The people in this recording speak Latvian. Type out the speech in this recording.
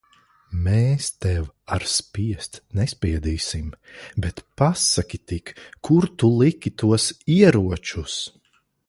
Mēs tev ar spiest nespiedīsim. Bet pasaki tik, kur tu liki tos ieročus?